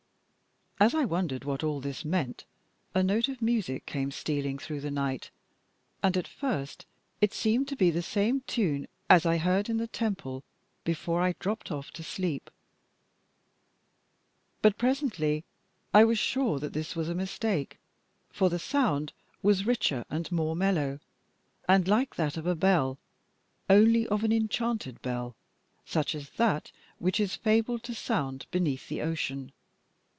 As I wondered what all this meant, a note of music came stealing through the night, and at first it seemed to be the same tune as I heard in the temple before I dropped off to sleep; but presently I was sure that this was a mistake, for the sound was richer and more mellow, and like that of a bell, only of an enchanted bell, such as that which is fabled to sound beneath the ocean.